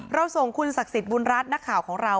เราส่งคุณศักดิ์สิทธิ์บุญรัฐนักข่าวของเรา